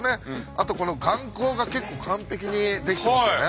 あとこの眼光が結構完璧に出来てますね。